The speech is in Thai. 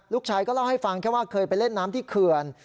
ลูกชายก็เล่าให้ฟังแค่ว่าเคยไปเล่นน้ำที่เขื่อน